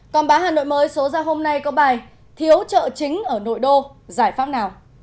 còn bá hà nội mới số ra hôm nay có bài thiếu chợ chính ở nội đô giải pháp nào